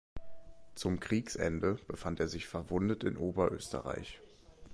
Zum Kriegsende befand er sich verwundet in Oberösterreich.